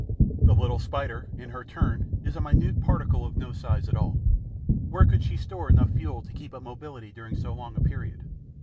The little Spider, in her turn, is a minute particle of no size at all. Where could she store enough fuel to keep up mobility during so long a period?